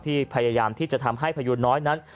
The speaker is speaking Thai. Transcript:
พยายามที่จะทำให้พยูนน้อยนั้น